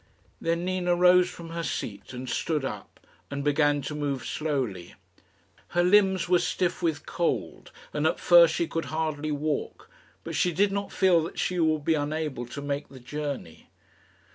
Then Nina rose from her seat, and stood up, and began to move slowly. Her limbs were stiff with cold, and at first she could hardly walk; but she did not feel that she would be unable to make the journey.